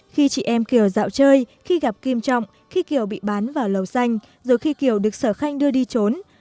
khi chị em kiều dạo chơi khi gặp kim trọng khi kiều bị bán vào lầu xanh rồi khi kiều được sở khanh đưa đi trốn